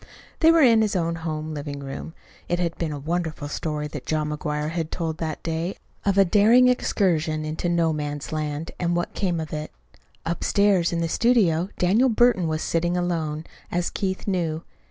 They were in his own home living room. It had been a wonderful story that John McGuire had told that day of a daring excursion into No Man's Land, and what came of it. Upstairs in the studio Daniel Burton was sitting alone, as Keith knew.